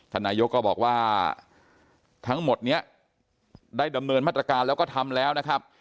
นายกก็บอกว่าทั้งหมดนี้ได้ดำเนินมาตรการแล้วก็ทำแล้วนะครับ